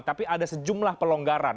tapi ada sejumlah pelonggaran